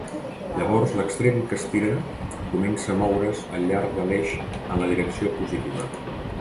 Llavors l'extrem que estira comença a moure's al llarg de l'eix en la direcció positiva.